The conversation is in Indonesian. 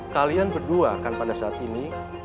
kalian berdua kan pada saat ini